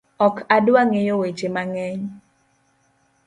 Ok adwa ng'eyo weche mang'eny